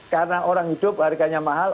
karena orang hidup harganya mahal